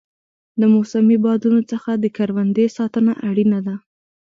د موسمي بادونو څخه د کروندې ساتنه اړینه ده.